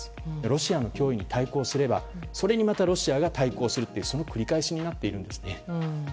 ロシアの脅威に対抗すればそれにまたロシアが対抗するという繰り返しになっているんですね。